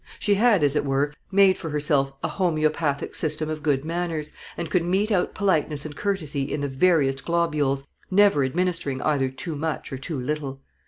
She had, as it were, made for herself a homoeopathic system of good manners, and could mete out politeness and courtesy in the veriest globules, never administering either too much or too little.